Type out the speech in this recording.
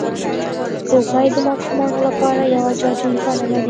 سپوږمۍ د ماشومانو لپاره یوه جادويي بڼه لري